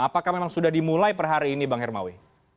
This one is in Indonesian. apakah memang sudah dimulai per hari ini bang hermawi